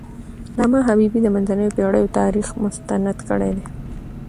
علامه حبيبي د منځنیو پېړیو تاریخ مستند کړی دی.